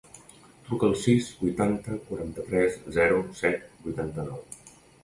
Truca al sis, vuitanta, quaranta-tres, zero, set, vuitanta-nou.